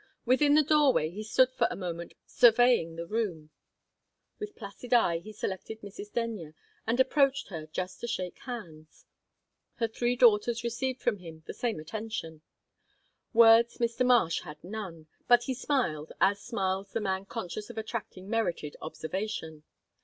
Within the doorway he stood for a moment surveying the room; with placid eye he selected Mrs. Denyer, and approached her just to shake hands; her three daughters received from him the same attention. Words Mr. Marsh had none, but he smiled as smiles the man conscious of attracting merited observation.